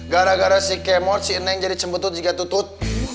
gara gara si kemon jadi cembetut juga tutut